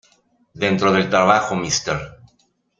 Dentro del trabajo, Mr.